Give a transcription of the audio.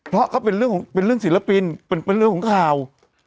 เพราะเขาเป็นเรื่องของเป็นเรื่องศิลปินเป็นเรื่องของข่าว